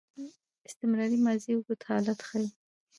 استمراري ماضي اوږد حالت ښيي.